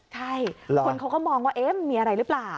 ใช่คนเขาก็มองว่ามันมีอะไรหรือเปล่า